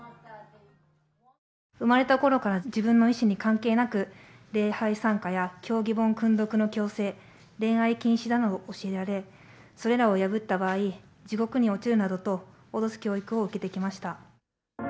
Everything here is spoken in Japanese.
生まれたころから自分の意思に関係なく、礼拝参加や教義本訓読の強制、恋愛禁止などを教えられ、それらを破った場合、地獄に落ちるなどと脅す教育を受けてきました。